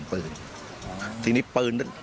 ตำรวจอีกหลายคนก็หนีออกจุดเกิดเหตุทันที